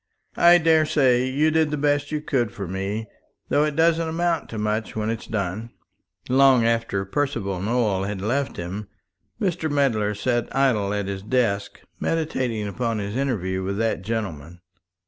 I daresay you did the best you could for me, though it doesn't amount to much when it's done." Long after Percival Nowell had left him, Mr. Medler sat idle at his desk meditating upon his interview with that gentleman.